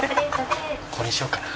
これにしようかな。